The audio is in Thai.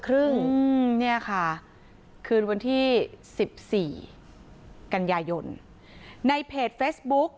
ครึ่งอืมเนี่ยค่ะคืนวันที่สิบสี่กันยายนในเพจเฟสบุ๊ก